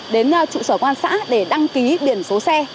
đến trụ sở công an xã để đăng ký biển số xe